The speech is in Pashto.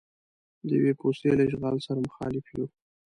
د یوې پوستې له اشغال سره مخالف یو.